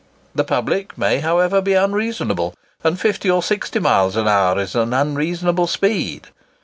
The public may, however, be unreasonable; and 50 or 60 miles an hour is an unreasonable speed.